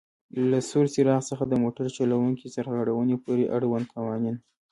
له سور څراغ څخه د موټر چلوونکي سرغړونې پورې آړوند قوانین: